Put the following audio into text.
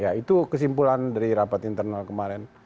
ya itu kesimpulan dari rapat internal kemarin